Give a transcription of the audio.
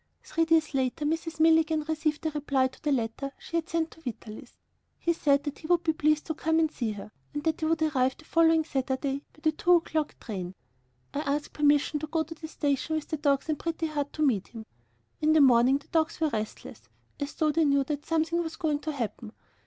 Three days later Mrs. Milligan received a reply to the letter she had sent Vitalis. He said that he would be pleased to come and see her, and that he would arrive the following Saturday, by the two o'clock train. I asked permission to go to the station with the dogs and Pretty Heart to meet him. In the morning the dogs were restless as though they knew that something was going to happen.